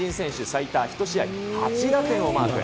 最多１試合８打点をマーク。